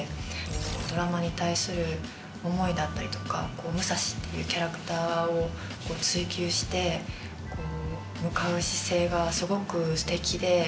ドラマに対する思いだったりとか武蔵っていうキャラクターを追求して向かう姿勢がすごくステキで。